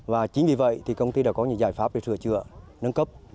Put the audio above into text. và chính vì vậy thì công ty đã có những giải pháp để sửa chữa nâng cấp